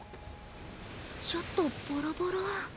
ちょっとボロボロ。